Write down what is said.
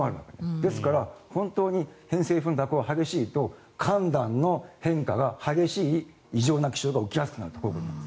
ですから、本当に偏西風の蛇行が激しいと寒暖の変化が激しい異常な気象が起きやすくなるこういうことなんです。